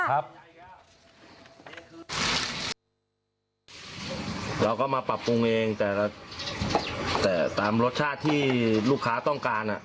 เราก็มาปรับปรุงเองแต่ตามรสชาติที่ลูกค้าต้องการ